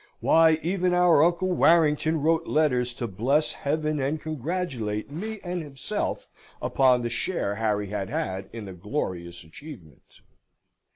Why, even our Uncle Warrington wrote letters to bless Heaven and congratulate me and himself upon the share Harry had had in the glorious achievement.